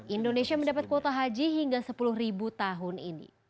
indonesia mendapat kuota haji hingga sepuluh tahun ini